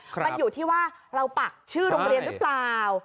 มันอยู่ที่ว่าเราปักชื่อโรงเรียนหรือเปล่า